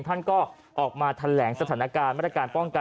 ท่านก็ออกมาแถลงสถานการณ์มาตรการป้องกัน